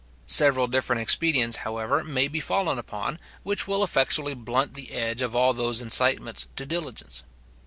Several different expedients, however, may be fallen upon, which will effectually blunt the edge of all those incitements to diligence.